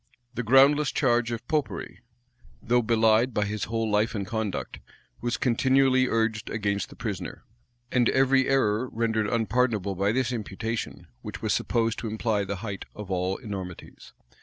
The groundless charge of Popery, though belied by his whole life and conduct, was continually urged against the prisoner; and every error rendered unpardonable by this imputation, which was supposed to imply the height of all enormities.